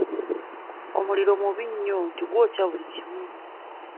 Omuliro mubi nnyo nti gwokya buli kiramu.